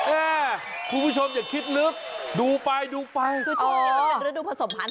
เออคุณผู้ชมอย่าคิดลึกดูไปดูไปอ๋อคือที่นี้ก็คือริดูผสมพันธุ์